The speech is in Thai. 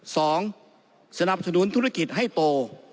สนับสนุนธุรกิจให้โต